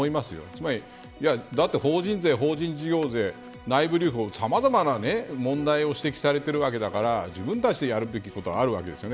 つまり、だって法人税法人事業税内部留保さまざまな問題を指摘されているわけだから自分たちでやるべきことがあるわけです。